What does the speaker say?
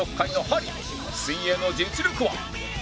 水泳の実力は？